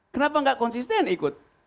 kenapa nggak konsisten ikut